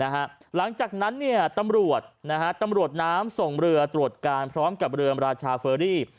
หลังจากนั้นตำรวจตำรวจน้ำส่งเรือตรวจการพร้อมกับเรือราชาเฟอรี่